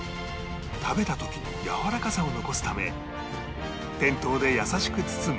食べた時にやわらかさを残すため店頭で優しく包む